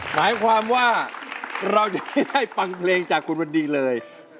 หมายความว่าเราจะไม่ได้ฟังเพลงจากคุณวันดีเลย